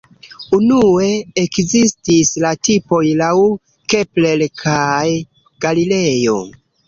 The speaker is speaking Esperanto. Unue ekzistis la tipoj laŭ Kepler kaj Galilejo.